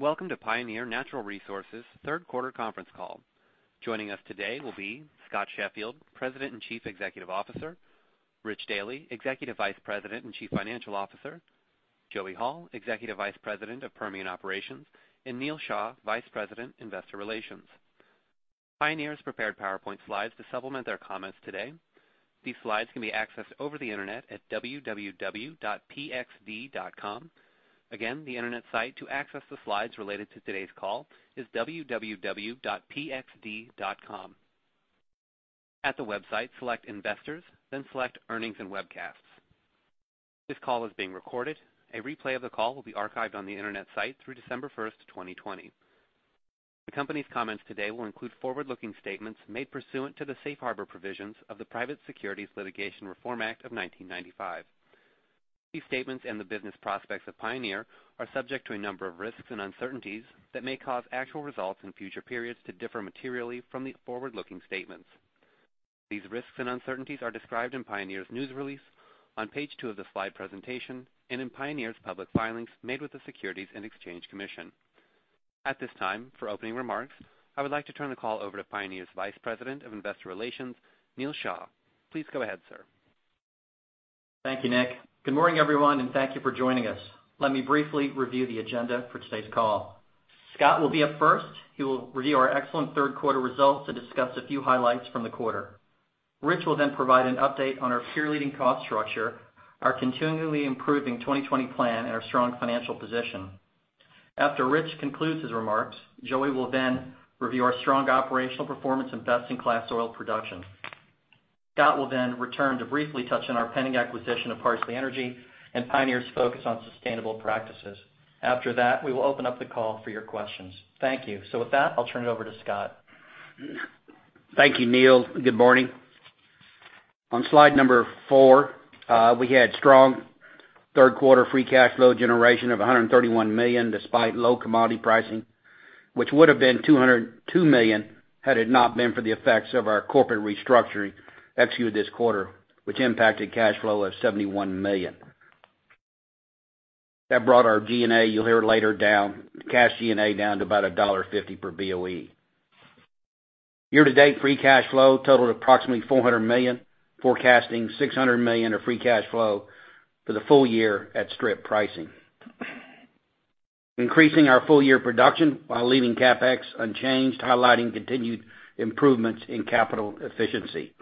Welcome to Pioneer Natural Resources' third quarter conference call. Joining us today will be Scott Sheffield, President and Chief Executive Officer, Rich Dealy, Executive Vice President and Chief Financial Officer, Joey Hall, Executive Vice President of Permian Operations, and Neal Shah, Vice President, Investor Relations. Pioneer's prepared PowerPoint slides to supplement their comments today. These slides can be accessed over the internet at www.pxd.com. Again, the internet site to access the slides related to today's call is www.pxd.com. At the website, select Investors, then select Earnings and Webcasts. This call is being recorded. A replay of the call will be archived on the internet site through December 1st, 2020. The company's comments today will include forward-looking statements made pursuant to the safe harbor provisions of the Private Securities Litigation Reform Act of 1995. These statements and the business prospects of Pioneer are subject to a number of risks and uncertainties that may cause actual results in future periods to differ materially from the forward-looking statements. These risks and uncertainties are described in Pioneer's news release, on page two of the slide presentation, and in Pioneer's public filings made with the Securities and Exchange Commission. At this time, for opening remarks, I would like to turn the call over to Pioneer's Vice President of Investor Relations, Neal Shah. Please go ahead, sir. Thank you, Nick. Good morning, everyone, and thank you for joining us. Let me briefly review the agenda for today's call. Scott will be up first. He will review our excellent third quarter results and discuss a few highlights from the quarter. Rich will then provide an update on our peer-leading cost structure, our continually improving 2020 plan, and our strong financial position. After Rich concludes his remarks, Joey will then review our strong operational performance and best-in-class oil production. Scott will then return to briefly touch on our pending acquisition of Parsley Energy and Pioneer's focus on sustainable practices. After that, we will open up the call for your questions. Thank you. With that, I'll turn it over to Scott. Thank you, Neal. Good morning. On slide number four, we had strong third quarter free cash flow generation of $131 million, despite low commodity pricing, which would have been $202 million had it not been for the effects of our corporate restructuring executed this quarter, which impacted cash flow of $71 million. That brought our G&A, you'll hear later, down, cash G&A down to about $1.50 per BOE. Year to date, free cash flow totaled approximately $400 million, forecasting $600 million of free cash flow for the full year at strip pricing. Increasing our full-year production while leaving CapEx unchanged, highlighting continued improvements in capital efficiency.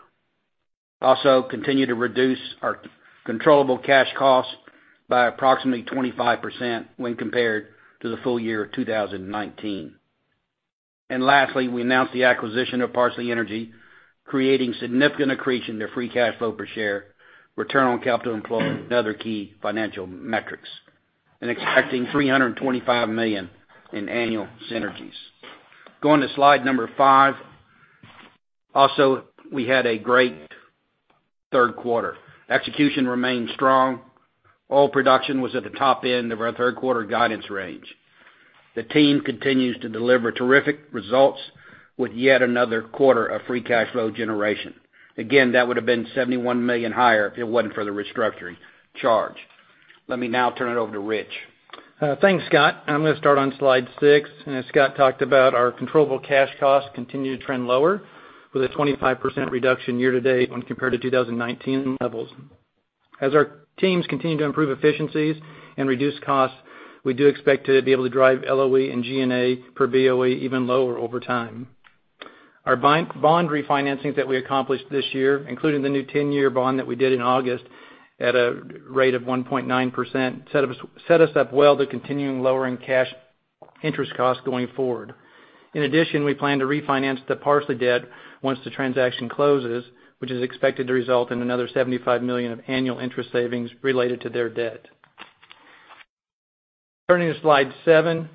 Also, continue to reduce our controllable cash costs by approximately 25% when compared to the full year of 2019. Lastly, we announced the acquisition of Parsley Energy, creating significant accretion to free cash flow per share, return on capital employed, and other key financial metrics, expecting $325 million in annual synergies. Going to slide number five. We had a great third quarter. Execution remained strong. Oil production was at the top end of our third quarter guidance range. The team continues to deliver terrific results with yet another quarter of free cash flow generation. Again, that would have been $71 million higher if it wasn't for the restructuring charge. Let me now turn it over to Rich. Thanks, Scott. I'm going to start on slide six. As Scott talked about, our controllable cash costs continue to trend lower with a 25% reduction year-to-date when compared to 2019 levels. As our teams continue to improve efficiencies and reduce costs, we do expect to be able to drive LOE and G&A per BOE even lower over time. Our bond refinancings that we accomplished this year, including the new 10-year bond that we did in August at a rate of 1.9%, set us up well to continuing lowering cash interest costs going forward. In addition, we plan to refinance the Parsley debt once the transaction closes, which is expected to result in another $75 million of annual interest savings related to their debt. Turning to slide seven,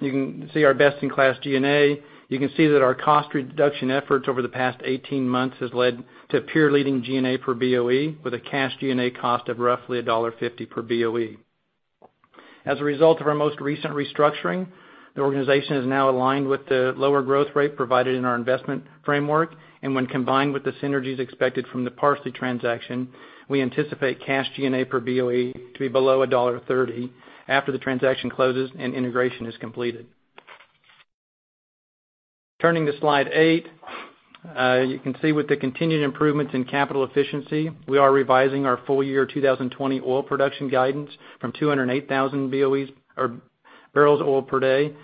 you can see our best-in-class G&A. You can see that our cost reduction efforts over the past 18 months has led to peer-leading G&A per BOE with a cash G&A cost of roughly $1.50 per BOE. As a result of our most recent restructuring, the organization is now aligned with the lower growth rate provided in our investment framework, and when combined with the synergies expected from the Parsley transaction, we anticipate cash G&A per BOE to be below $1.30 after the transaction closes and integration is completed. Turning to slide eight, you can see with the continued improvements in capital efficiency, we are revising our full year 2020 oil production guidance from 208,000 BOEs, or barrels of oil per day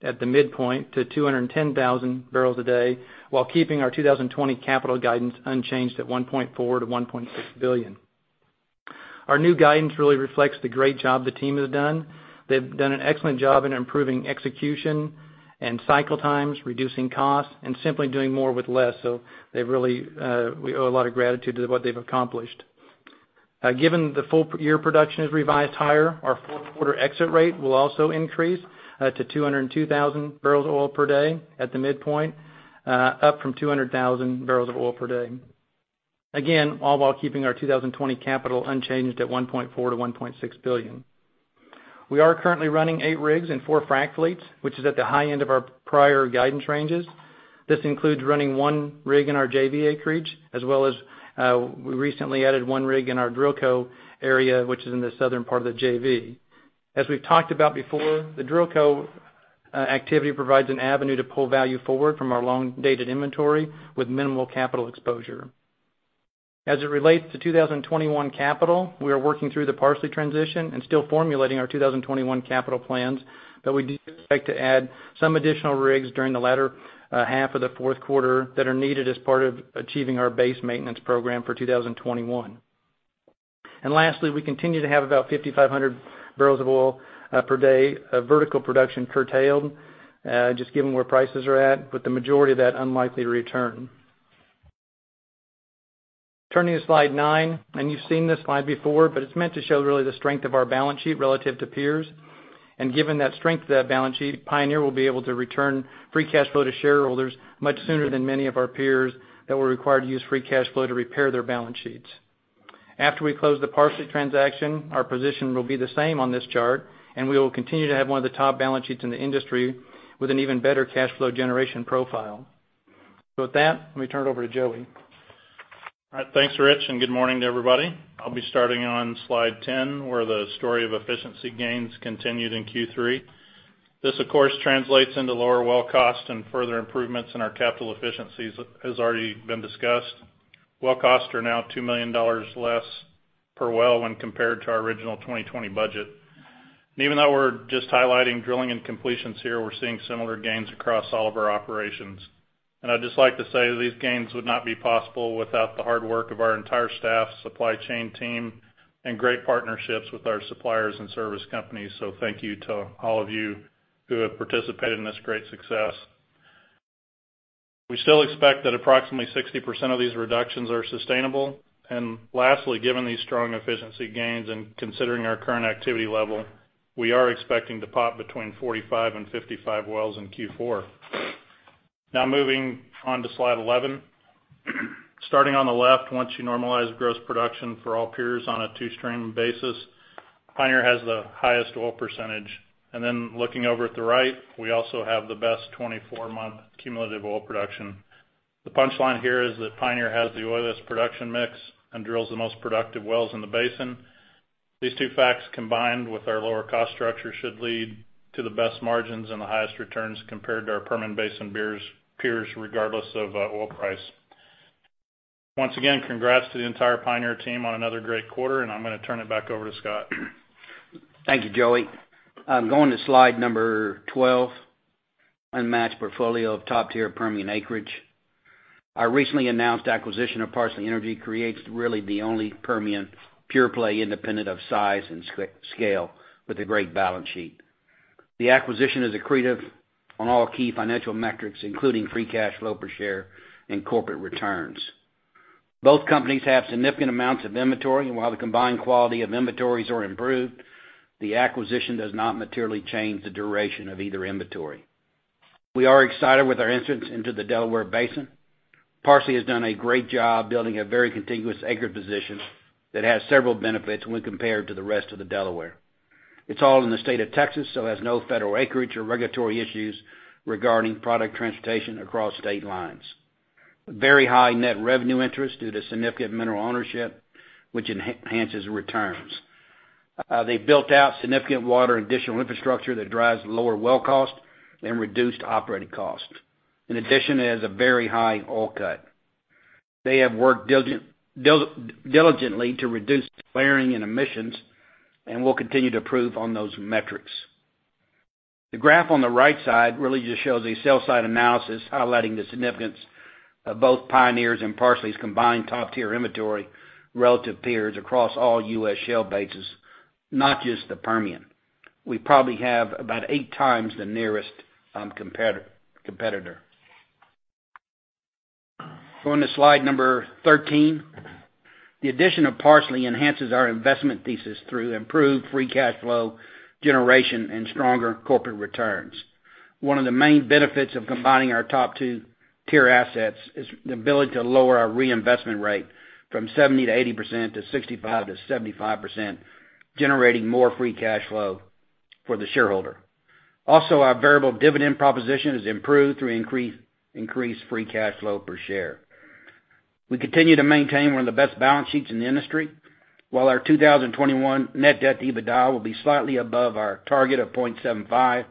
at the midpoint to 210,000 bbl a day, while keeping our 2020 capital guidance unchanged at $1.4 billion-$1.6 billion. Our new guidance really reflects the great job the team has done. They've done an excellent job in improving execution and cycle times, reducing costs, and simply doing more with less. We owe a lot of gratitude to what they've accomplished. Given the full year production is revised higher, our fourth quarter exit rate will also increase to 202,000 bbl of oil per day at the midpoint, up from 200,000 bbl of oil per day. Again, all while keeping our 2020 capital unchanged at $1.4 billion-$1.6 billion. We are currently running 8 rigs and 4 frac fleets, which is at the high end of our prior guidance ranges. This includes running 1 rig in our JV acreage as well as we recently added 1 rig in our DrillCo area, which is in the southern part of the JV. As we've talked about before, the DrillCo activity provides an avenue to pull value forward from our long-dated inventory with minimal capital exposure. As it relates to 2021 capital, we are working through the Parsley transition and still formulating our 2021 capital plans, but we do expect to add some additional rigs during the latter half of the fourth quarter that are needed as part of achieving our base maintenance program for 2021. Lastly, we continue to have about 5,500 bbl of oil per day of vertical production curtailed, just given where prices are at, with the majority of that unlikely to return. Turning to slide nine, you've seen this slide before, but it's meant to show really the strength of our balance sheet relative to peers. Given that strength of that balance sheet, Pioneer will be able to return free cash flow to shareholders much sooner than many of our peers that were required to use free cash flow to repair their balance sheets. After we close the Parsley transaction, our position will be the same on this chart, and we will continue to have one of the top balance sheets in the industry with an even better cash flow generation profile. With that, let me turn it over to Joey. All right. Thanks, Rich, good morning to everybody. I'll be starting on slide 10, where the story of efficiency gains continued in Q3. This, of course, translates into lower well cost and further improvements in our capital efficiencies, as already been discussed. Well costs are now $2 million less per well when compared to our original 2020 budget. Even though we're just highlighting drilling and completions here, we're seeing similar gains across all of our operations. I'd just like to say that these gains would not be possible without the hard work of our entire staff, supply chain team, and great partnerships with our suppliers and service companies. Thank you to all of you who have participated in this great success. We still expect that approximately 60% of these reductions are sustainable. Lastly, given these strong efficiency gains and considering our current activity level, we are expecting to pop between 45 and 55 wells in Q4. Now moving on to slide 11. Starting on the left, once you normalize gross production for all peers on a two-stream basis, Pioneer has the highest oil percentage. Then looking over at the right, we also have the best 24-month cumulative oil production. The punchline here is that Pioneer has the oiliest production mix and drills the most productive wells in the basin. These two facts, combined with our lower cost structure, should lead to the best margins and the highest returns compared to our Permian Basin peers, regardless of oil price. Once again, congrats to the entire Pioneer team on another great quarter, I'm going to turn it back over to Scott. Thank you, Joey. Going to slide number 12, unmatched portfolio of top-tier Permian acreage. Our recently announced acquisition of Parsley Energy creates really the only Permian pure play independent of size and scale with a great balance sheet. The acquisition is accretive on all key financial metrics, including free cash flow per share and corporate returns. Both companies have significant amounts of inventory, and while the combined quality of inventories are improved, the acquisition does not materially change the duration of either inventory. We are excited with our entrance into the Delaware Basin. Parsley has done a great job building a very contiguous acreage position that has several benefits when compared to the rest of the Delaware. It's all in the state of Texas, so has no federal acreage or regulatory issues regarding product transportation across state lines. Very high net revenue interest due to significant mineral ownership, which enhances returns. They built out significant water and additional infrastructure that drives lower well cost and reduced operating costs. In addition, it has a very high oil cut. They have worked diligently to reduce flaring and emissions and will continue to improve on those metrics. The graph on the right side really just shows a sell side analysis highlighting the significance of both Pioneer's and Parsley's combined top-tier inventory relative peers across all U.S. shale basins, not just the Permian. We probably have about eight times the nearest competitor. Going to slide number 13. The addition of Parsley enhances our investment thesis through improved free cash flow generation and stronger corporate returns. One of the main benefits of combining our top two tier assets is the ability to lower our reinvestment rate from 70%-80% to 65%-75%, generating more free cash flow for the shareholder. Also, our variable dividend proposition is improved through increased free cash flow per share. We continue to maintain one of the best balance sheets in the industry. While our 2021 net debt to EBITDA will be slightly above our target of 0.75,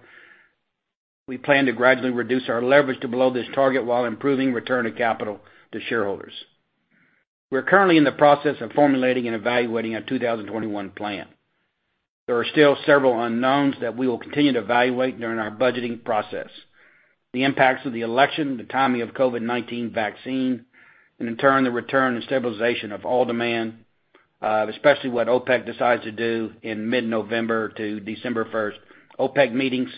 we plan to gradually reduce our leverage to below this target while improving return of capital to shareholders. We're currently in the process of formulating and evaluating our 2021 plan. There are still several unknowns that we will continue to evaluate during our budgeting process. The impacts of the election, the timing of COVID-19 vaccine, and in turn, the return and stabilization of oil demand, especially what OPEC decides to do in mid-November to December 1st OPEC meetings.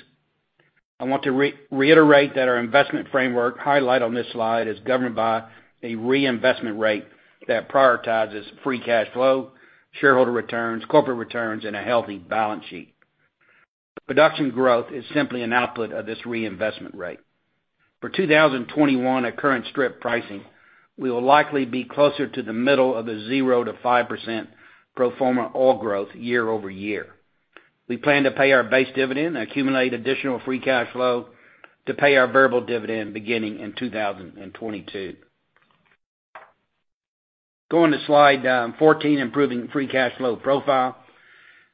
I want to reiterate that our investment framework highlighted on this slide is governed by a reinvestment rate that prioritizes free cash flow, shareholder returns, corporate returns, and a healthy balance sheet. Production growth is simply an output of this reinvestment rate. For 2021, at current strip pricing, we will likely be closer to the middle of the 0%-5% pro forma oil growth year-over-year. We plan to pay our base dividend and accumulate additional free cash flow to pay our variable dividend beginning in 2022. Going to slide 14, improving free cash flow profile.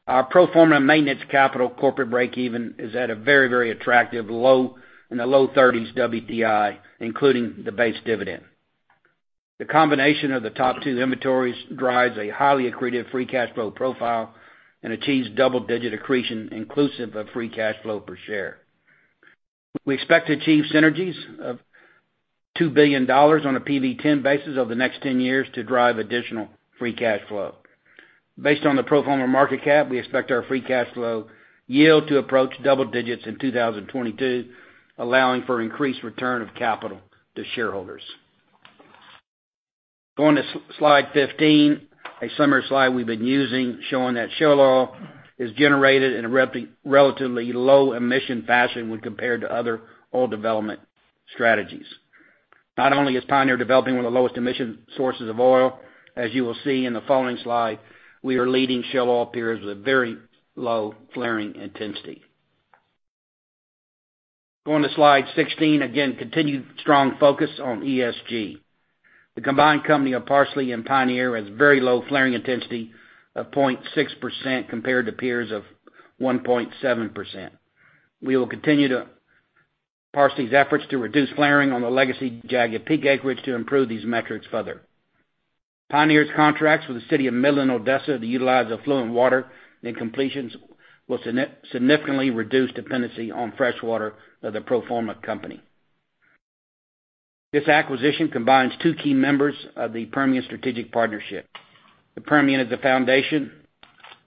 Our pro forma maintenance capital corporate breakeven is at a very attractive low, in the low 30s WTI, including the base dividend. The combination of the top two inventories drives a highly accretive free cash flow profile and achieves double-digit accretion inclusive of free cash flow per share. We expect to achieve synergies of $2 billion on a PV-10 basis over the next 10 years to drive additional free cash flow. Based on the pro forma market cap, we expect our free cash flow yield to approach double digits in 2022, allowing for increased return of capital to shareholders. Going to slide 15, a summary slide we've been using showing that shale oil is generated in a relatively low emission fashion when compared to other oil development strategies. Not only is Pioneer developing one of the lowest emission sources of oil, as you will see in the following slide, we are leading shale oil peers with very low flaring intensity. Going to slide 16, again, continued strong focus on ESG. The combined company of Parsley and Pioneer has very low flaring intensity of 0.6% compared to peers of 1.7%. We will continue Parsley's efforts to reduce flaring on the legacy Jagged Peak acreage to improve these metrics further. Pioneer's contracts with the City of Midland, Odessa, to utilize effluent water in completions will significantly reduce dependency on freshwater of the pro forma company. This acquisition combines two key members of the Permian Strategic Partnership. The Permian is the foundation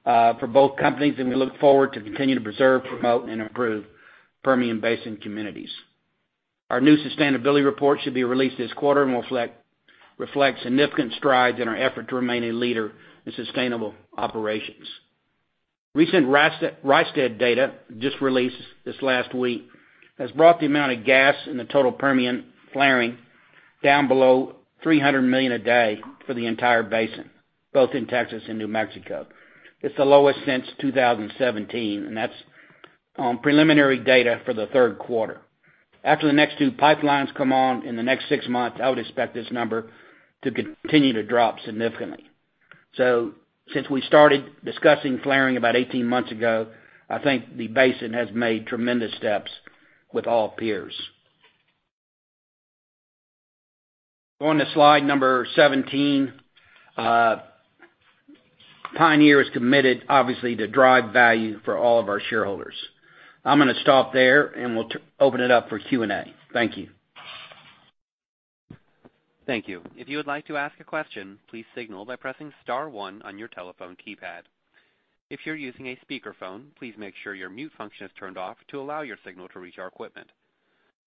for both companies, and we look forward to continue to preserve, promote, and improve Permian Basin communities. Our new sustainability report should be released this quarter and will reflect significant strides in our effort to remain a leader in sustainable operations. Recent Rystad data, just released this last week, has brought the amount of gas in the total Permian flaring down below 300 million a day for the entire basin, both in Texas and New Mexico. It's the lowest since 2017, and that's preliminary data for the third quarter. After the next two pipelines come on in the next six months, I would expect this number to continue to drop significantly. Since we started discussing flaring about 18 months ago, I think the basin has made tremendous steps with all peers. Going to slide number 17. Pioneer is committed, obviously, to drive value for all of our shareholders. I'm going to stop there, and we'll open it up for Q&A. Thank you. Thank you. If you would like to ask a question, please signal by pressing star one on your telephone keypad. If you're using a speakerphone, please make sure your mute function is turned off to allow your signal to reach our equipment.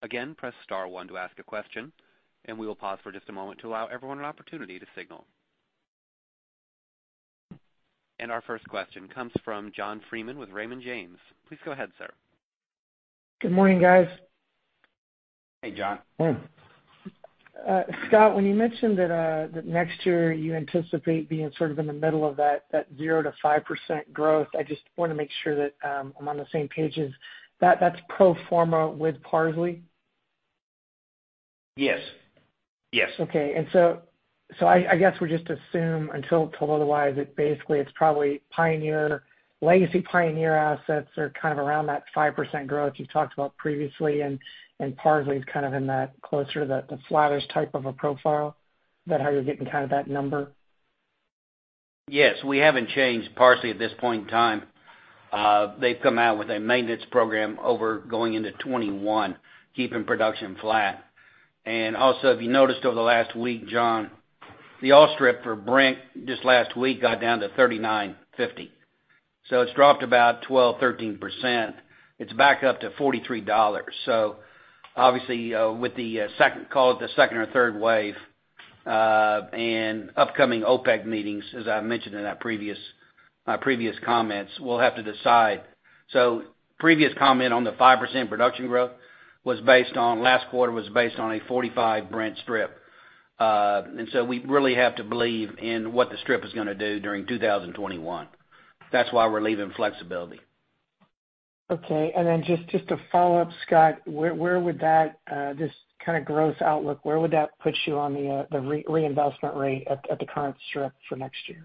Again, press star one to ask a question, and we will pause for just a moment to allow everyone an opportunity to signal. Our first question comes from John Freeman with Raymond James. Please go ahead, sir. Good morning, guys. Hey, John. Hey, Scott, when you mentioned that next year you anticipate being sort of in the middle of that 0%-5% growth, I just want to make sure that I'm on the same page as That's pro forma with Parsley? Yes. Okay. I guess we just assume until told otherwise, it basically, it's probably legacy Pioneer assets are around that 5% growth you've talked about previously and Parsley's closer to the flattest type of a profile. Is that how you're getting that number? Yes. We haven't changed Parsley at this point in time. They've come out with a maintenance program over going into 2021, keeping production flat. If you noticed over the last week, John, the oil strip for Brent just last week got down to $39.50. It's dropped about 12%, 13%. It's back up to $43. Obviously, with the, call it the second or third wave, and upcoming OPEC meetings, as I mentioned in my previous comments, we'll have to decide. Previous comment on the 5% production growth last quarter was based on a $45 Brent strip. We really have to believe in what the strip is going to do during 2021. That's why we're leaving flexibility. Okay. Just to follow up, Scott, where would this growth outlook, where would that put you on the reinvestment rate at the current strip for next year?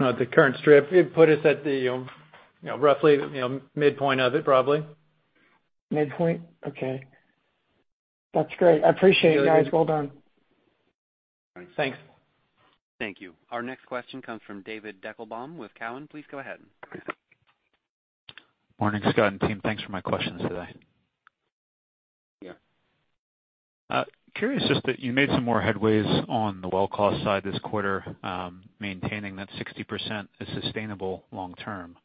At the current strip? It'd put us at the roughly midpoint of it, probably. Midpoint? Okay. That's great. I appreciate it, guys. Well done. Thanks. Thank you. Our next question comes from David Deckelbaum with Cowen. Please go ahead. Morning, Scott and team. Thanks for my questions today. Yeah. Curious just that you made some more headways on the well cost side this quarter, maintaining that 60% is sustainable long term.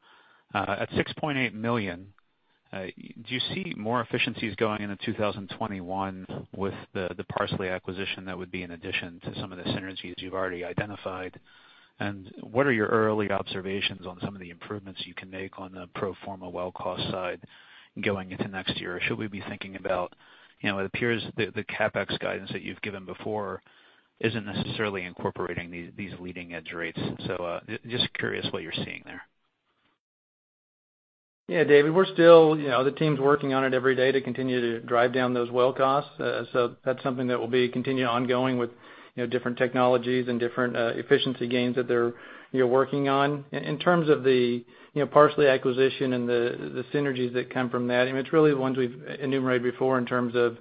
At $6.8 million, do you see more efficiencies going into 2021 with the Parsley acquisition that would be in addition to some of the synergies you've already identified? What are your early observations on some of the improvements you can make on the pro forma well cost side going into next year? Should we be thinking about, it appears the CapEx guidance that you've given before isn't necessarily incorporating these leading-edge rates? Just curious what you're seeing there? Yeah, David, the team's working on it every day to continue to drive down those well costs. That's something that will be continue ongoing with different technologies and different efficiency gains that they're working on. In terms of the Parsley acquisition and the synergies that come from that, it's really the ones we've enumerated before in terms of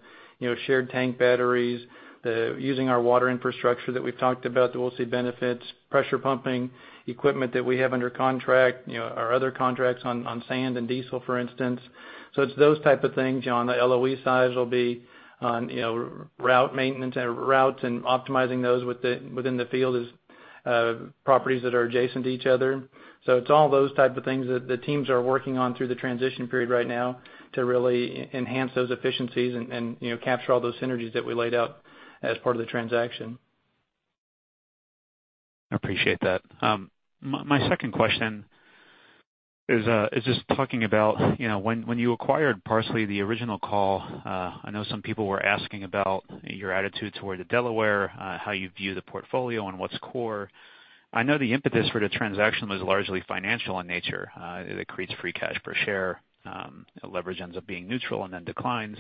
shared tank batteries, using our water infrastructure that we've talked about that we'll see benefits, pressure pumping equipment that we have under contract, our other contracts on sand and diesel, for instance. It's those type of things on the LOE side, it'll be on route maintenance and routes and optimizing those within the field is properties that are adjacent to each other. It's all those type of things that the teams are working on through the transition period right now to really enhance those efficiencies and capture all those synergies that we laid out as part of the transaction. I appreciate that. My second question is just talking about when you acquired Parsley, the original call, I know some people were asking about your attitude toward the Delaware, how you view the portfolio and what's core. I know the impetus for the transaction was largely financial in nature. It creates free cash per share. Leverage ends up being neutral and then declines.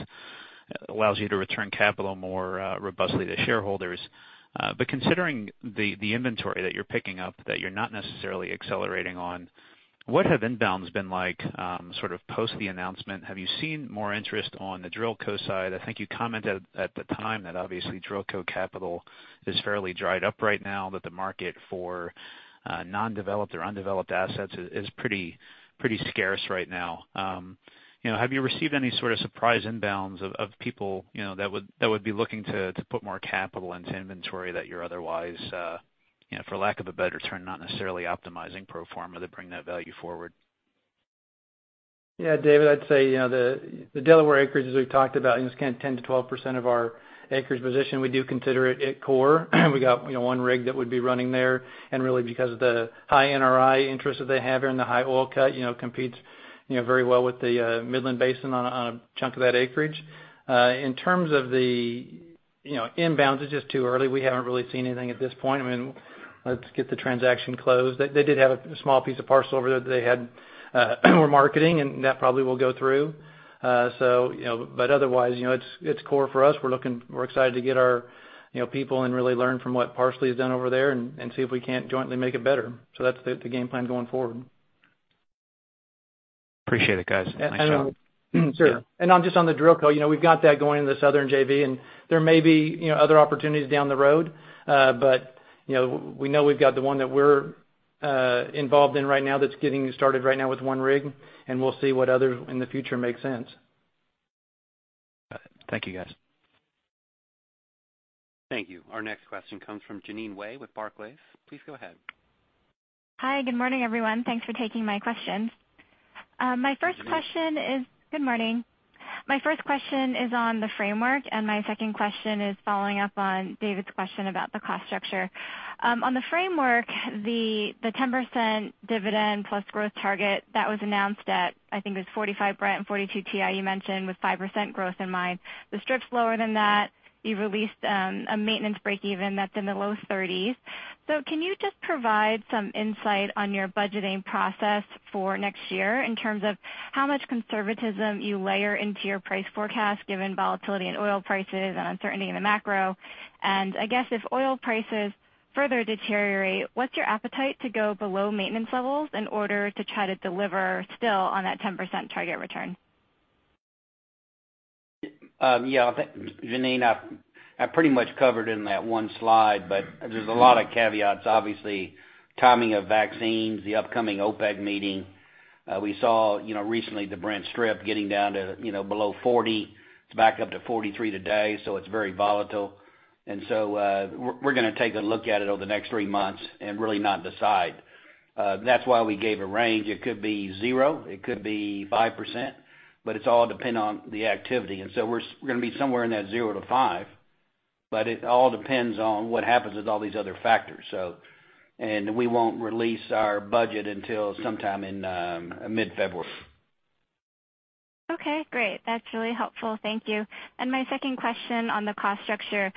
Allows you to return capital more robustly to shareholders. Considering the inventory that you're picking up that you're not necessarily accelerating on, what have inbounds been like sort of post the announcement? Have you seen more interest on the DrillCo side? I think you commented at the time that obviously DrillCo capital is fairly dried up right now, that the market for non-developed or undeveloped assets is pretty scarce right now. Have you received any sort of surprise inbounds of people that would be looking to put more capital into inventory that you're otherwise, for lack of a better term, not necessarily optimizing pro forma to bring that value forward? Yeah, David, I'd say, the Delaware acreage, as we've talked about, is kind of 10% to 12% of our acreage position. We do consider it core. We got one rig that would be running there, and really because of the high NRI interest that they have here and the high oil cut competes very well with the Midland Basin on a chunk of that acreage. In terms of the inbounds, it's just too early. We haven't really seen anything at this point. Let's get the transaction closed. They did have a small piece of parcel over there that they had more marketing, and that probably will go through. Otherwise, it's core for us. We're excited to get our people and really learn from what Parsley has done over there and see if we can't jointly make it better. That's the game plan going forward. Appreciate it, guys. Thanks, y'all. Sure. Just on the DrillCo, we've got that going in the southern JV, and there may be other opportunities down the road. We know we've got the one that we're involved in right now that's getting started right now with one rig, and we'll see what other, in the future, makes sense. Got it. Thank you, guys. Thank you. Our next question comes from Jeanine Wai with Barclays. Please go ahead. Hi. Good morning, everyone. Thanks for taking my questions. Good morning. My first question is on the framework, and my second question is following up on David's question about the cost structure. On the framework, the 10% dividend plus growth target that was announced at, I think it was $45 Brent and $42 WTI you mentioned, with 5% growth in mind. The strip's lower than that. You've released a maintenance breakeven that's in the low $30s. Can you just provide some insight on your budgeting process for next year in terms of how much conservatism you layer into your price forecast, given volatility in oil prices and uncertainty in the macro? I guess if oil prices further deteriorate, what's your appetite to go below maintenance levels in order to try to deliver still on that 10% target return? Yeah. Jeanine, I pretty much covered in that one slide, but there's a lot of caveats. Obviously, timing of vaccines, the upcoming OPEC meeting. We saw recently the Brent strip getting down to below 40. It's back up to 43 today, so it's very volatile. We're going to take a look at it over the next three months and really not decide. That's why we gave a range. It could be zero, it could be 5%, but it's all depend on the activity. We're going to be somewhere in that 0%-5%, but it all depends on what happens with all these other factors. We won't release our budget until sometime in mid-February. Okay, great. That's really helpful. Thank you. My second question on the cost structure.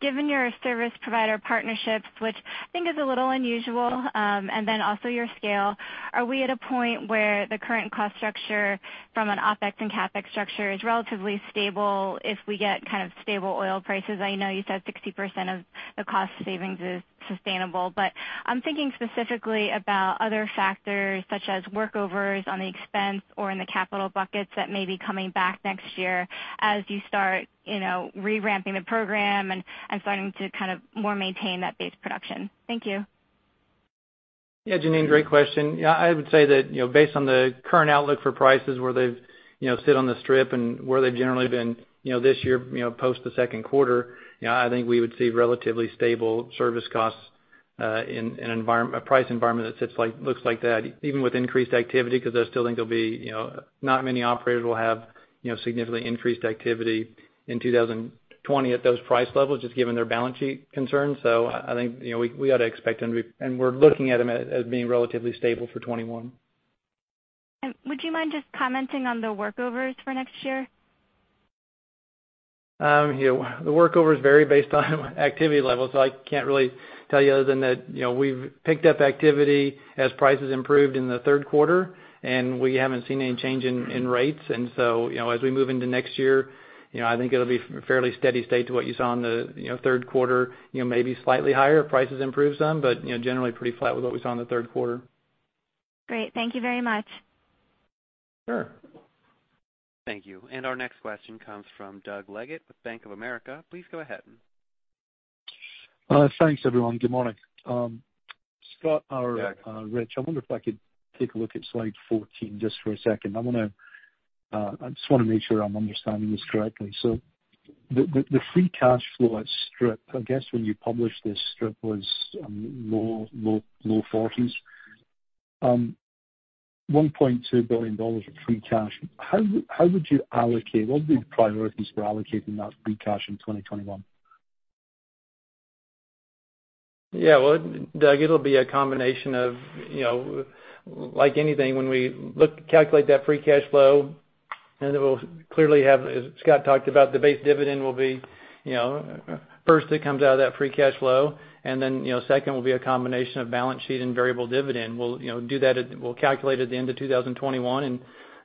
Given your service provider partnerships, which I think is a little unusual, and then also your scale, are we at a point where the current cost structure from an OpEx and CapEx structure is relatively stable if we get kind of stable oil prices? I know you said 60% of the cost savings is sustainable, but I'm thinking specifically about other factors such as workovers on the expense or in the capital buckets that may be coming back next year as you start re-ramping the program and starting to kind of more maintain that base production. Thank you. Yeah, Jeanine, great question. I would say that based on the current outlook for prices where they sit on the strip and where they've generally been this year, post the second quarter, I think we would see relatively stable service costs in a price environment that looks like that, even with increased activity, because I still think there'll be not many operators will have significantly increased activity in 2020 at those price levels, just given their balance sheet concerns. I think we ought to expect them, and we're looking at them as being relatively stable for 2021. Would you mind just commenting on the workovers for next year? The workovers vary based on activity levels. I can't really tell you other than that, we've picked up activity as prices improved in the third quarter, and we haven't seen any change in rates. As we move into next year, I think it'll be fairly steady state to what you saw in the third quarter, maybe slightly higher, prices improved some, but generally pretty flat with what we saw in the third quarter. Great. Thank you very much. Sure. Thank you. Our next question comes from Doug Leggate with Bank of America. Please go ahead. Thanks, everyone. Good morning. Scott. Yeah Rich, I wonder if I could take a look at slide 14 just for a second. I just want to make sure I'm understanding this correctly. The free cash flow at strip, I guess when you published this, strip was low 40s. $1.2 billion of free cash. How would you allocate? What would be the priorities for allocating that free cash in 2021? Well, Doug, it'll be a combination of, like anything, when we calculate that free cash flow. It will clearly have, as Scott talked about, the base dividend will be, first it comes out of that free cash flow. Second will be a combination of balance sheet and variable dividend. We'll calculate at the end of 2021.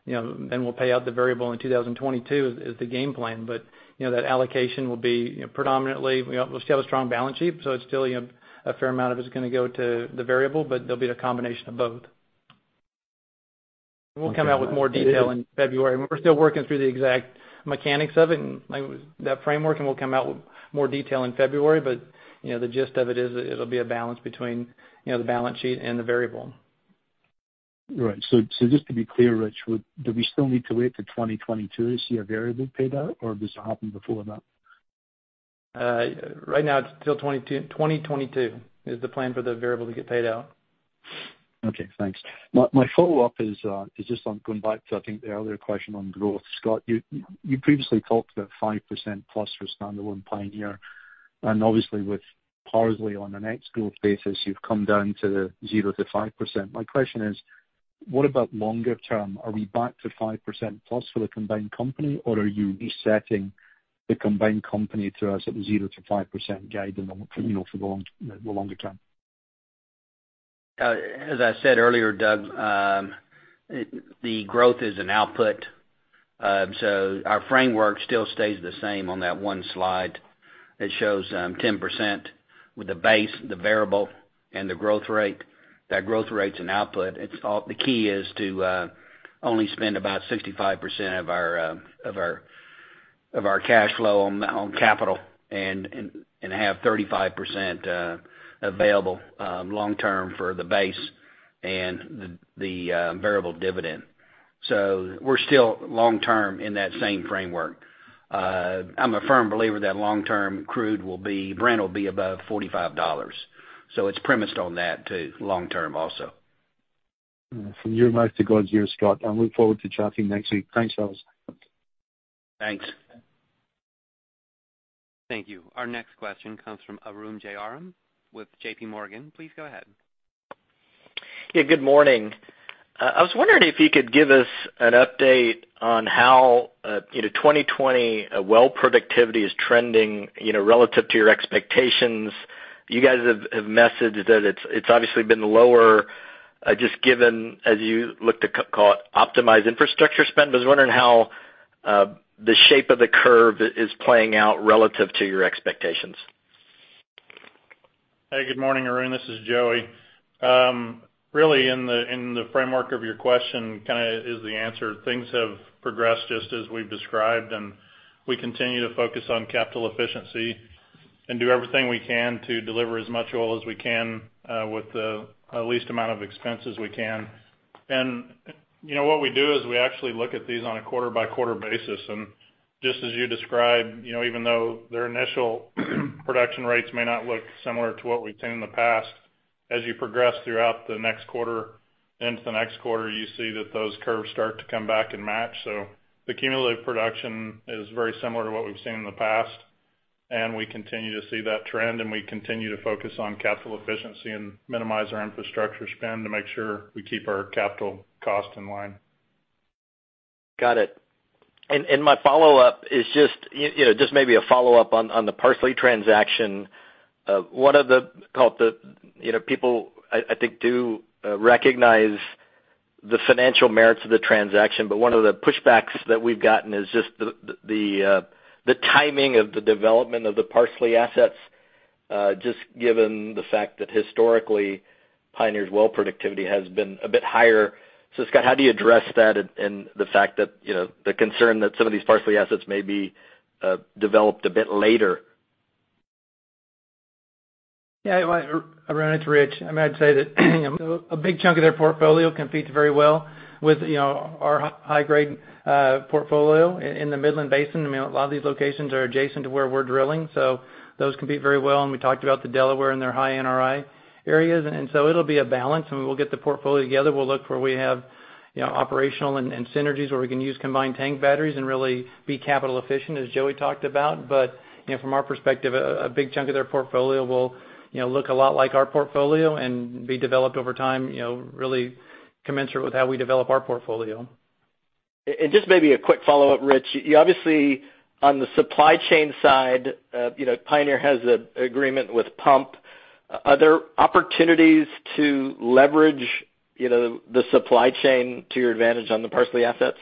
We'll pay out the variable in 2022, is the game plan. That allocation will be predominantly, we still have a strong balance sheet. It's still a fair amount of it is going to go to the variable. There'll be a combination of both. We'll come out with more detail in February. We're still working through the exact mechanics of it and that framework, and we'll come out with more detail in February, but the gist of it is that it'll be a balance between the balance sheet and the variable. Right. Just to be clear, Rich, do we still need to wait till 2022 to see a variable pay out, or does it happen before that? Right now, it's still 2022, is the plan for the variable to get paid out. Okay, thanks. My follow-up is just on going back to, I think, the earlier question on growth. Scott, you previously talked about 5%+ for standalone Pioneer, and obviously with Parsley on an ex growth basis, you've come down to the 0%-5%. My question is, what about longer term? Are we back to 5%+ for the combined company, or are you resetting the combined company to a sort of 0%-5% guide for the longer term? As I said earlier, Doug, the growth is an output. Our framework still stays the same on that one slide that shows 10% with the base, the variable, and the growth rate. That growth rate's an output. The key is to only spend about 65% of our cash flow on capital and have 35% available long-term for the base and the variable dividend. We're still long-term in that same framework. I'm a firm believer that long-term crude will be, Brent will be above $45. It's premised on that too, long-term also. From your mouth to God's ears, Scott. I look forward to chatting next week. Thanks, fellas. Thanks. Thank you. Our next question comes from Arun Jayaram with JPMorgan. Please go ahead. Yeah, good morning. I was wondering if you could give us an update on how 2020 well productivity is trending relative to your expectations. You guys have messaged that it's obviously been lower, just given, as you look to call it, optimize infrastructure spend. I was wondering how the shape of the curve is playing out relative to your expectations. Hey, good morning, Arun. This is Joey. Really in the framework of your question kind of is the answer. Things have progressed just as we've described, and we continue to focus on capital efficiency and do everything we can to deliver as much oil as we can, with the least amount of expenses we can. What we do is we actually look at these on a quarter-by-quarter basis. Just as you described, even though their initial production rates may not look similar to what we've seen in the past, as you progress throughout the next quarter, into the next quarter, you see that those curves start to come back and match. The cumulative production is very similar to what we've seen in the past, and we continue to see that trend, and we continue to focus on capital efficiency and minimize our infrastructure spend to make sure we keep our capital costs in line. Got it. My follow-up is just maybe a follow-up on the Parsley transaction. People, I think, do recognize the financial merits of the transaction, but one of the pushbacks that we've gotten is just the timing of the development of the Parsley assets, just given the fact that historically, Pioneer's well productivity has been a bit higher. Scott, how do you address that and the fact that the concern that some of these Parsley assets may be developed a bit later? Yeah. Arun, it's Rich. I mean, I'd say that a big chunk of their portfolio competes very well with our high-grade portfolio in the Midland Basin. A lot of these locations are adjacent to where we're drilling. Those compete very well, and we talked about the Delaware and their high NRI areas. It'll be a balance, and when we'll get the portfolio together, we'll look where we have operational and synergies where we can use combined tank batteries and really be capital efficient, as Joey talked about. From our perspective, a big chunk of their portfolio will look a lot like our portfolio and be developed over time really commensurate with how we develop our portfolio. Just maybe a quick follow-up, Rich. You obviously, on the supply chain side, Pioneer has an agreement with PUMP. Are there opportunities to leverage the supply chain to your advantage on the Parsley assets?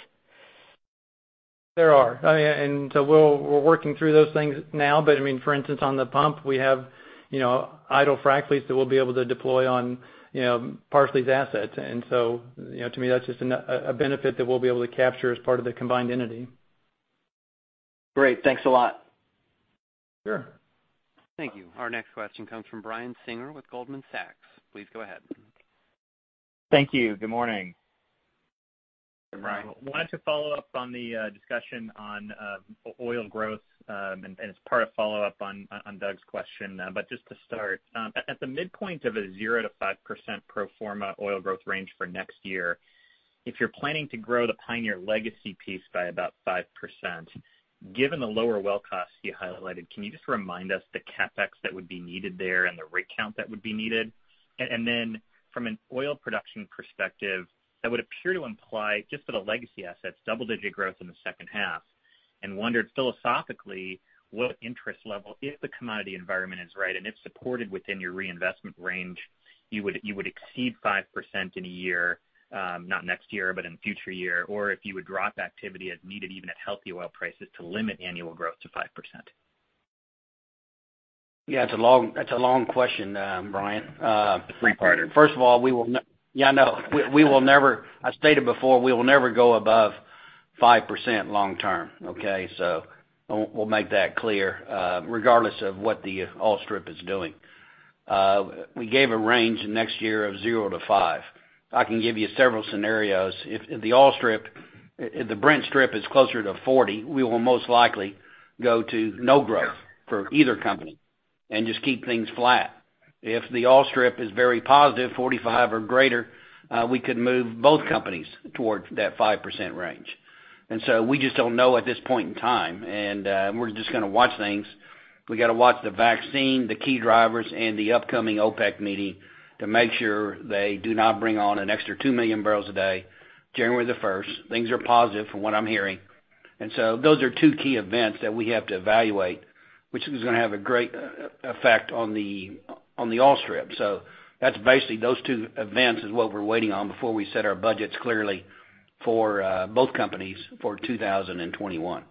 There are. We're working through those things now. For instance, on the PUMP, we have idle frac fleets that we'll be able to deploy on Parsley's assets. To me, that's just a benefit that we'll be able to capture as part of the combined entity. Great. Thanks a lot. Sure. Thank you. Our next question comes from Brian Singer with Goldman Sachs. Please go ahead. Thank you. Good morning. Good morning. I wanted to follow up on the discussion on oil growth, and as part of follow-up on Doug's question. Just to start, at the midpoint of a 0%-5% pro forma oil growth range for next year, if you're planning to grow the Pioneer legacy piece by about 5%, given the lower well costs you highlighted, can you just remind us the CapEx that would be needed there and the rig count that would be needed? From an oil production perspective, that would appear to imply just for the legacy assets, double-digit growth in the second half. Wondered philosophically what interest level, if the commodity environment is right and it's supported within your reinvestment range, you would exceed 5% in a year, not next year, but in future year, or if you would drop activity as needed, even at healthy oil prices, to limit annual growth to 5%. Yeah, it's a long question, Brian. It's a three-parter. First of all, Yeah, no. We will never, I stated before, we will never go above 5% long term, okay? We'll make that clear, regardless of what the oil strip is doing. We gave a range next year of 0%-5%. I can give you several scenarios. If the oil strip, if the Brent strip is closer to $40, we will most likely go to no growth for either company and just keep things flat. If the oil strip is very positive, $45 or greater, we could move both companies towards that 5% range. We just don't know at this point in time, and we're just going to watch things. We got to watch the vaccine, the key drivers, and the upcoming OPEC meeting to make sure they do not bring on an extra 2 million barrels a day, January the 1st. Things are positive from what I'm hearing. Those are two key events that we have to evaluate, which is going to have a great effect on the oil strip. That's basically, those two events is what we're waiting on before we set our budgets clearly for both companies for 2021.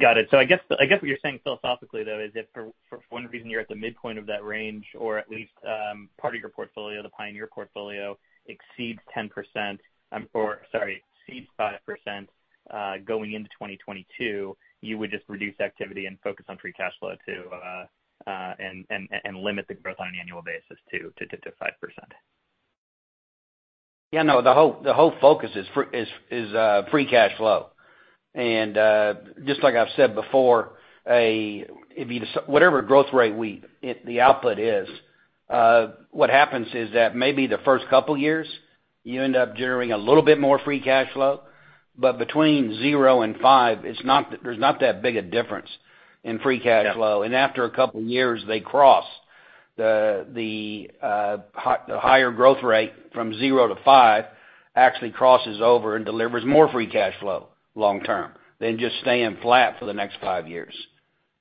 Got it. I guess what you're saying philosophically, though, is if for one reason you're at the midpoint of that range or at least part of your portfolio, the Pioneer portfolio exceeds 10%, or sorry, exceeds 5% going into 2022, you would just reduce activity and focus on free cash flow too, and limit the growth on an annual basis too, to 5%. Yeah, no, the whole focus is free cash flow. Just like I've said before, whatever growth rate the output is, what happens is that maybe the first couple years, you end up generating a little bit more free cash flow. Between 0%-5%, there's not that big a difference in free cash flow. Yeah. After a couple of years, they cross. The higher growth rate from 0%-5% actually crosses over and delivers more free cash flow long term than just staying flat for the next five years.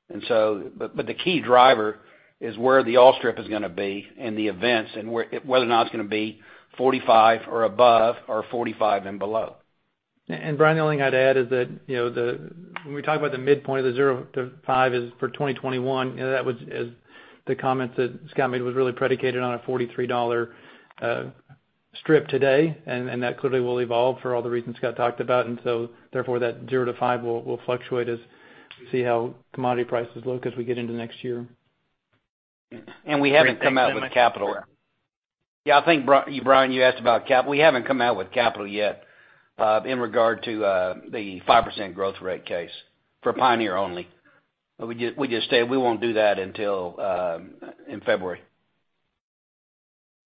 The key driver is where the oil strip is going to be and the events and whether or not it's going to be $45 or above or $45 and below. Brian, the only thing I'd add is that when we talk about the midpoint of the 0%-5% is for 2021, the comments that Scott made was really predicated on a $43 strip today. That clearly will evolve for all the reasons Scott talked about. Therefore, that 0%-5% will fluctuate as we see how commodity prices look as we get into next year. We haven't come out with capital. Yeah, I think, Brian, you asked about capital. We haven't come out with capital yet, in regard to the 5% growth rate case for Pioneer only. We just said we won't do that until in February.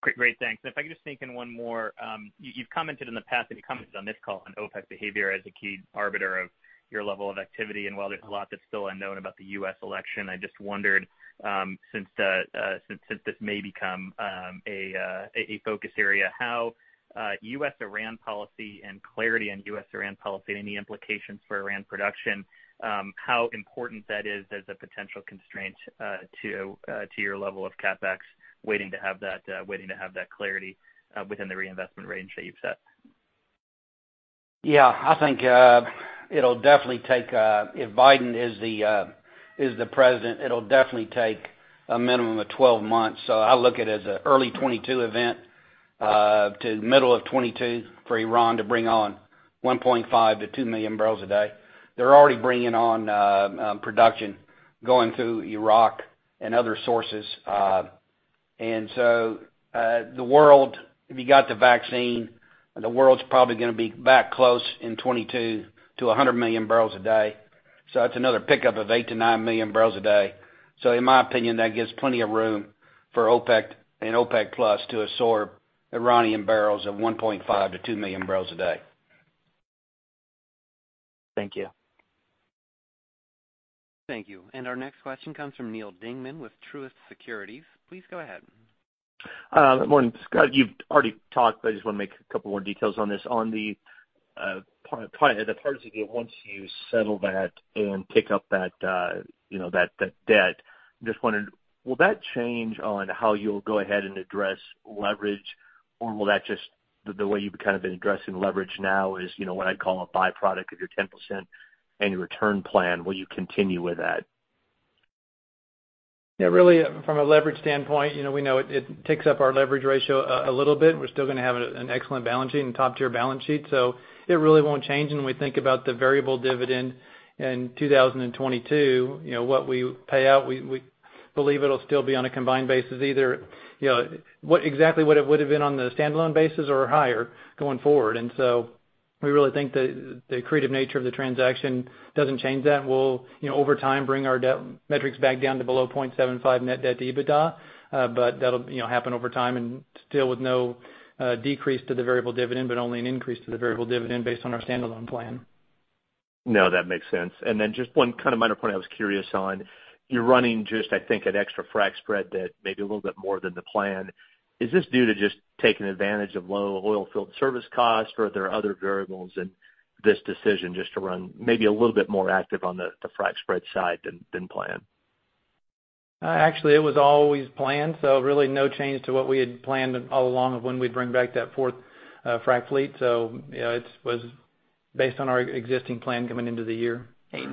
Great. Thanks. If I could just sneak in one more. You've commented in the past, and you commented on this call, on OPEC behavior as a key arbiter of your level of activity. While there's a lot that's still unknown about the U.S. election, I just wondered, since this may become a focus area, how U.S.-Iran policy and clarity on U.S.-Iran policy, any implications for Iran production, how important that is as a potential constraint to your level of CapEx, waiting to have that clarity within the reinvestment range that you've set? Yeah, I think it'll definitely take, if Biden is the President, it'll definitely take a minimum of 12 months. I look at it as an early 2022 event to middle of 2022 for Iran to bring on 1.5 million-2 million bbl a day. They're already bringing on production going through Iraq and other sources. The world, if you got the vaccine, the world's probably going to be back close in 2022 to 100 million barrels a day. That's another pickup of 8 million-9 million barrels a day. In my opinion, that gives plenty of room for OPEC and OPEC+ to absorb Iranian barrels of 1.5 million to 2 million barrels a day. Thank you. Thank you. Our next question comes from Neal Dingmann with Truist Securities. Please go ahead. Good morning, Scott. You've already talked, but I just want to make a couple more details on this. On the part of the deal, once you settle that and pick up that debt, just wondered, will that change on how you'll go ahead and address leverage? The way you've kind of been addressing leverage now is what I'd call a byproduct of your 10% annual return plan. Will you continue with that? Yeah. Really, from a leverage standpoint, we know it ticks up our leverage ratio a little bit. We're still going to have an excellent balance sheet and top-tier balance sheet, so it really won't change. We think about the variable dividend in 2022, what we pay out, we believe it'll still be on a combined basis, either exactly what it would've been on the standalone basis or higher going forward. We really think that the accretive nature of the transaction doesn't change that, and we'll, over time, bring our debt metrics back down to below 0.75 net debt to EBITDA. That'll happen over time and still with no decrease to the variable dividend, but only an increase to the variable dividend based on our standalone plan. No, that makes sense. Just one kind of minor point I was curious on. You're running just, I think, an extra frac spread that may be a little bit more than the plan. Is this due to just taking advantage of low oil field service costs, or are there other variables in this decision just to run maybe a little bit more active on the frac spread side than planned? Actually, it was always planned, so really no change to what we had planned all along of when we'd bring back that fourth frac fleet. It was based on our existing plan coming into the year. Hey,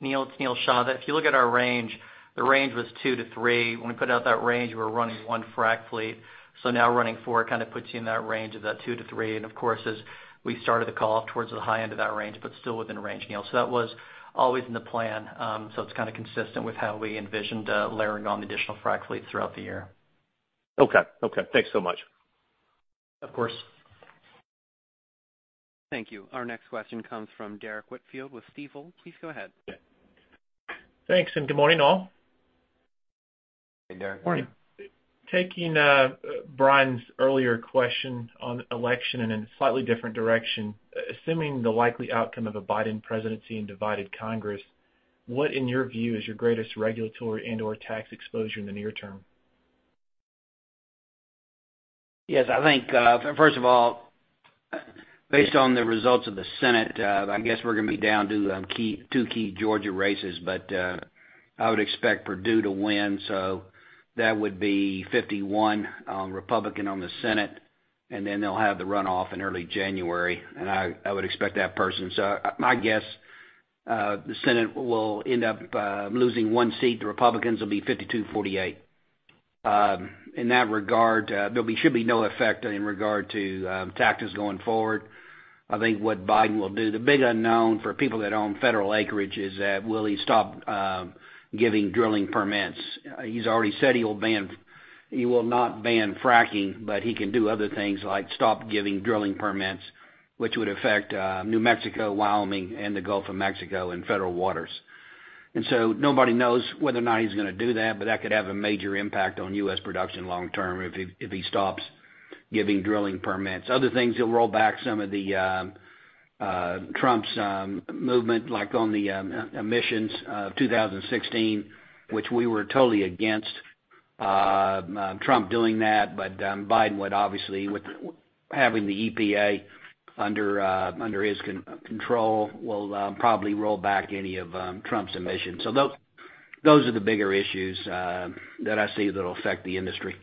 Neal. It's Neal Shah. If you look at our range, the range was two to three. When we put out that range, we were running one frac fleet. Now running four kind of puts you in that range of that two to three. Of course, as we started the call towards the high end of that range, but still within range, Neal. That was always in the plan, so it's kind of consistent with how we envisioned layering on the additional frac fleet throughout the year. Okay. Thanks so much. Of course. Thank you. Our next question comes from Derrick Whitfield with Stifel. Please go ahead. Thanks, and good morning, all. Hey, Derrick. Morning. Taking Brian's earlier question on election and in a slightly different direction, assuming the likely outcome of a Biden presidency and divided Congress, what, in your view, is your greatest regulatory and/or tax exposure in the near term? Yes, I think, first of all, based on the results of the Senate, I guess we're going to be down to two key Georgia races. I would expect Perdue to win, so that would be 51 Republican on the Senate, and then they'll have the runoff in early January, and I would expect that person. My guess, the Senate will end up losing one seat. The Republicans will be 52/48. In that regard, there should be no effect in regard to taxes going forward. I think what Biden will do, the big unknown for people that own federal acreage is that will he stop giving drilling permits? He's already said he will not ban fracking, but he can do other things like stop giving drilling permits, which would affect New Mexico, Wyoming, and the Gulf of Mexico and federal waters. Nobody knows whether or not he's going to do that, but that could have a major impact on U.S. production long term if he stops giving drilling permits. Other things, he'll roll back some of Trump's movement, like on the emissions of 2016, which we were totally against Trump doing that. Biden would obviously, with having the EPA under his control, will probably roll back any of Trump's emissions. Those are the bigger issues that I see that'll affect the industry.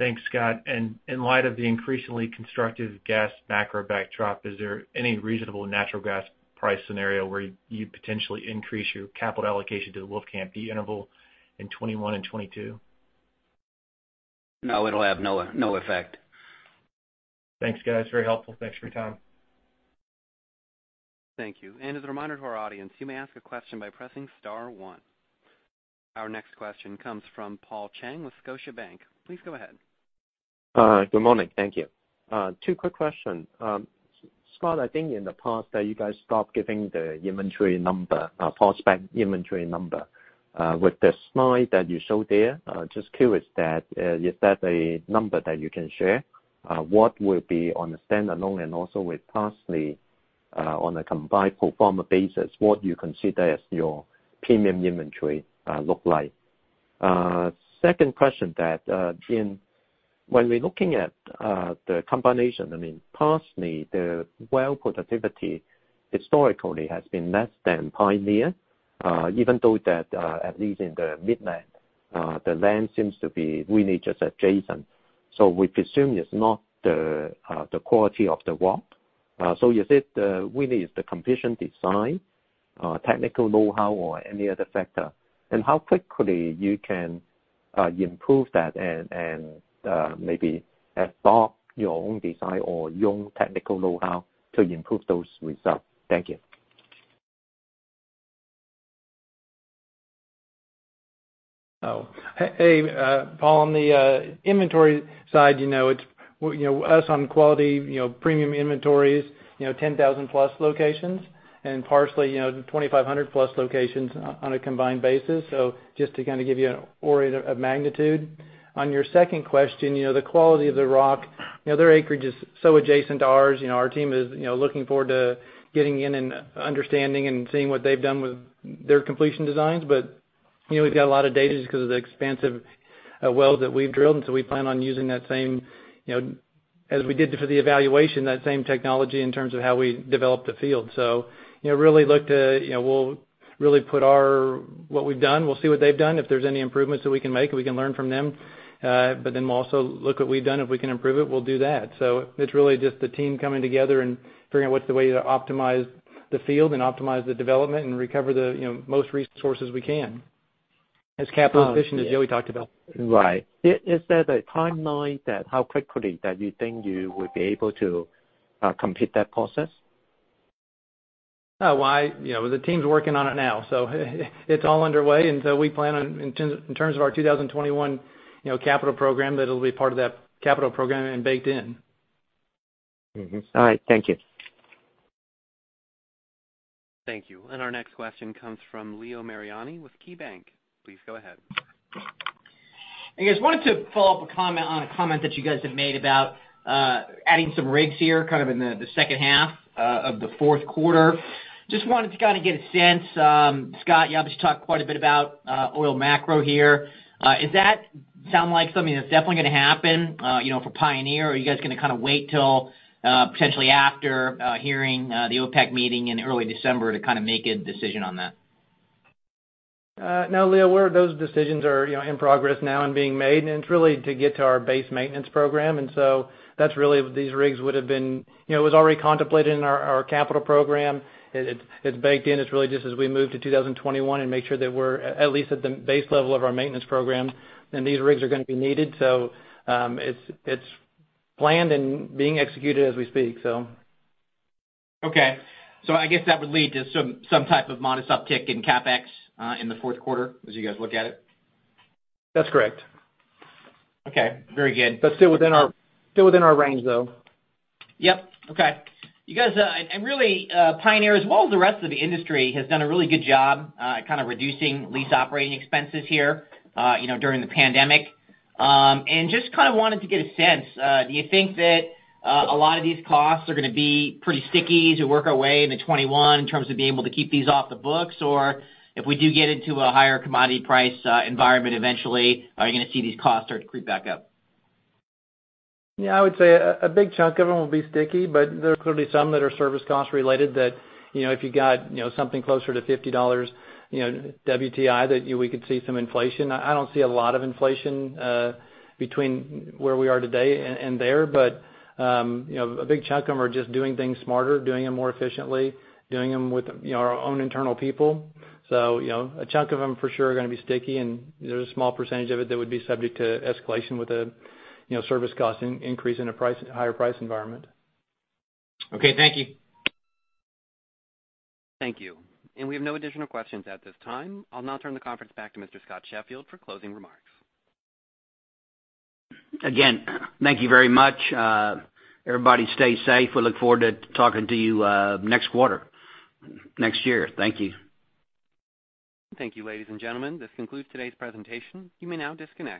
Thanks, Scott. In light of the increasingly constructive gas macro backdrop, is there any reasonable natural gas price scenario where you'd potentially increase your capital allocation to the Wolfcamp B interval in 2021 and 2022? No. It'll have no effect. Thanks, guys. Very helpful. Thanks for your time. Thank you. As a reminder to our audience, you may ask a question by pressing star one. Our next question comes from Paul Cheng with Scotiabank. Please go ahead. Good morning. Thank you. Two quick question. Scott, I think in the past that you guys stopped giving the inventory number, prospect inventory number. With the slide that you showed there, just curious that, is that a number that you can share? What will be on the standalone and also with Parsley, on a combined pro forma basis, what do you consider as your premium inventory look like? Second question, that when we're looking at the combination, I mean, Parsley, the well productivity historically has been less than Pioneer. Even though that, at least in the Midland, the land seems to be really just adjacent. We presume it's not the quality of the rock. Is it really the completion design, technical knowhow, or any other factor? How quickly you can improve that and maybe adopt your own design or your own technical knowhow to improve those results? Thank you. Hey, Paul. On the inventory side, it's us on quality premium inventories, 10,000+ locations, and Parsley, 2,500+ locations on a combined basis. Just to kind of give you an order of magnitude. On your second question, the quality of the rock. Their acreage is so adjacent to ours. Our team is looking forward to getting in and understanding and seeing what they've done with their completion designs. We've got a lot of data just because of the expansive wells that we've drilled, and so we plan on using that same, as we did for the evaluation, that same technology in terms of how we develop the field. We'll really put what we've done, we'll see what they've done, if there's any improvements that we can make, or we can learn from them. We'll also look what we've done. If we can improve it, we'll do that. it's really just the team coming together and figuring out what's the way to optimize the field and optimize the development and recover the most resources we can, as capital efficient as Joey talked about. Right. Is there a timeline that how quickly that you think you would be able to complete that process? The team's working on it now. It's all underway, and so we plan in terms of our 2021 capital program, that it'll be part of that capital program and baked in. Mm-hmm. All right. Thank you. Thank you. Our next question comes from Leo Mariani with KeyBanc. Please go ahead. I just wanted to follow up on a comment that you guys have made about adding some rigs here, kind of in the second half of the fourth quarter. Just wanted to kind of get a sense, Scott, you obviously talked quite a bit about oil macro here. Is that sound like something that's definitely going to happen for Pioneer, or are you guys going to kind of wait till potentially after hearing the OPEC meeting in early December to make a decision on that? No, Leo, those decisions are in progress now and being made, and it's really to get to our base maintenance program. That's really it was already contemplated in our capital program. It's baked in. It's really just as we move to 2021 and make sure that we're at least at the base level of our maintenance program, then these rigs are going to be needed. It's planned and being executed as we speak. Okay. I guess that would lead to some type of modest uptick in CapEx in the fourth quarter as you guys look at it. That's correct. Okay, very good. Still within our range, though. Yep. Okay. You guys, and really, Pioneer, as well as the rest of the industry, has done a really good job kind of reducing lease operating expenses here during the pandemic. Just kind of wanted to get a sense, do you think that a lot of these costs are going to be pretty sticky as we work our way into 2021 in terms of being able to keep these off the books? If we do get into a higher commodity price environment eventually, are you going to see these costs start to creep back up? Yeah, I would say a big chunk of them will be sticky, but there are clearly some that are service cost related that, if you got something closer to $50 WTI, that we could see some inflation. I don't see a lot of inflation between where we are today and there. A big chunk of them are just doing things smarter, doing them more efficiently, doing them with our own internal people. A chunk of them for sure are going to be sticky, and there's a small percentage of it that would be subject to escalation with a service cost increase in a higher price environment. Okay. Thank you. Thank you. We have no additional questions at this time. I'll now turn the conference back to Mr. Scott Sheffield for closing remarks. Again, thank you very much. Everybody stay safe. We look forward to talking to you next quarter, next year. Thank you. Thank you, ladies and gentlemen. This concludes today's presentation. You may now disconnect.